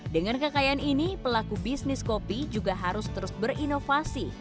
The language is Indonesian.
dengan kekayaan ini pelaku bisnis kopi juga harus terus berinovasi